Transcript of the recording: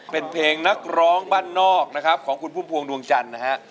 เป็นเพลงนักร้องบ้านนอกนะครับของคุณพุ่มพวงดวงจันทร์นะฮะ